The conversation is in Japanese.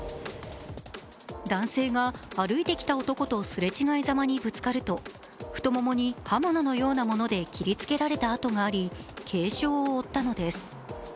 男性が歩いてきた男と擦れ違いざまにぶつかると太ももに刃物のようなもので切りつけられた跡があり、軽傷を負ったのです。